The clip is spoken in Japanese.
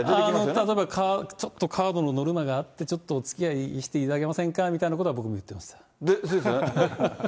例えばちょっとカードのノルマがあって、ちょっとおつきあいしていただけませんかということは、僕も言ってます。ですよね。